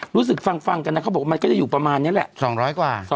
รู้สึกฟังกันนะเขาบอกว่ามันก็จะอยู่ประมาณเนี่ยแหละ